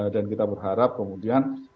dan kita berharap kemudian